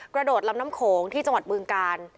กระโดดลำน้ำโขงที่จังหวัดบึงกาล